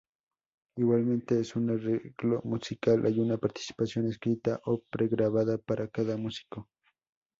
Igualmente, en un arreglo musical hay una participación escrita o pre-grabada para cada músico.